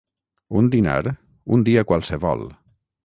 Un dinar un dia qualsevol